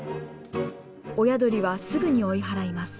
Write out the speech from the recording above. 親鳥はすぐに追い払います。